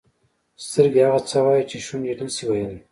سترګې هغه څه وایي چې شونډې نه شي ویلای.